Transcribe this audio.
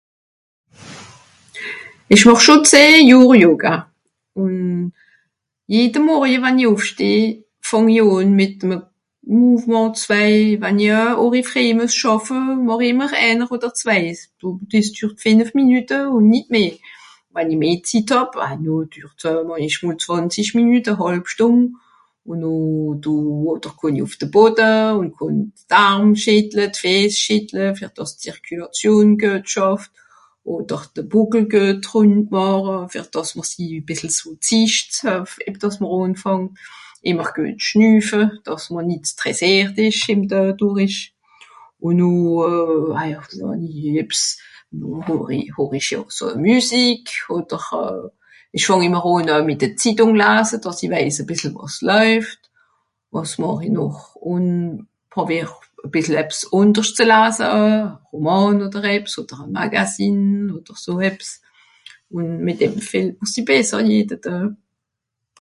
Ìch màch scho zeh Johr Yoga, ùn jede Morje wann i ùffsteh fàng i àn mìt'me Mouvement, zwei wann i au àri fréi mües schàffe màch i ìmmer èner odder zweies. Dìs dürrt fìnef Minüte ùn nìt meh. Wenn i meh Zitt hàb, ah jo dürrt e mol zwànzisch Minüte, hàlb Stùnd. Ùn noh...do... odder kànn i ùff de Bodde ùn kànn d'Arm schìttle, d'Fìes schìttle fer dàss d'Zirkülàtion geschàfft, odder de Bùckel guet Rùnd màche, fer dàss me si bìssel (...) eb dàss mr ànfàngt. Ìmmer guet schnüffe, dàss mr nìt stressìert ìsch ìn de dùrrich. Ùn noh euh... ebbs hori... horich àlso Müsik, odder ìch fàng ìmmer noch mìt de Zittùng lase, dàss i wèis e bìssel wàs loeift. Wàs màch-i noch ? Ùn prowìer e bìssel ebbs ànderscht ze lase oe. Romàn odder ebbs, odder e Magazin, odder so ebbs. Ùn mìt dem fìehlt mr si besser jede Doe.